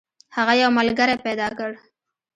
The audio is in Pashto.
هغه یو ملګری پیدا کړ.